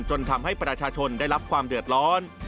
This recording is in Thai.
จนทำให้ประชาชนได้รับความเดือดร้อน